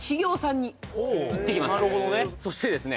そしてですね